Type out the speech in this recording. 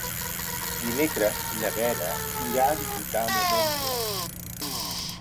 Dimecres na Vera irà a visitar mon oncle.